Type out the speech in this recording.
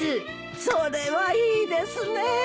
それはいいですね。